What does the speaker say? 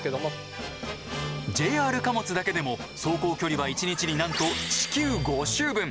ＪＲ貨物だけでも走行距離は１日になんと地球５周分！